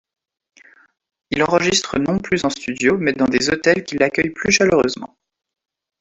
Il enregistre non plus en studio mais dans des hôtels qui l'accueillent plus chaleureusement.